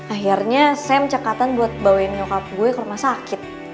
akhirnya sam cekatan buat bawain nyokap gue ke rumah sakit